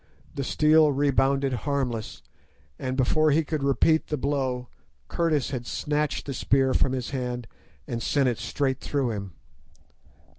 The steel rebounded harmless, and before he could repeat the blow Curtis had snatched the spear from his hand and sent it straight through him.